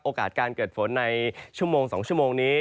การเกิดฝนในชั่วโมง๒ชั่วโมงนี้